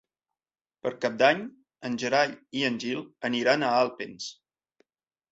Per Cap d'Any en Gerai i en Gil aniran a Alpens.